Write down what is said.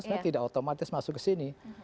sebenarnya tidak otomatis masuk ke sini